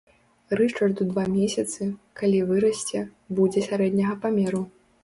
Рычарду два месяцы, калі вырасце, будзе сярэдняга памеру.